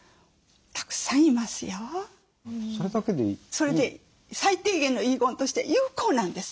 それで最低限の遺言として有効なんです。